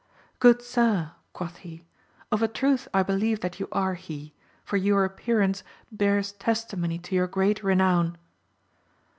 Good sir, quoth he, of a truth I believe that you are he, for your appear^ ance bears testimony to your great renown